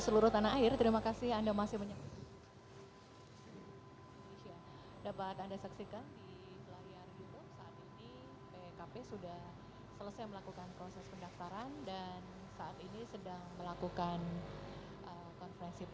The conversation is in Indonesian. saya berharap pkp sudah selesai melakukan proses pendaftaran dan saat ini sedang melakukan konferensi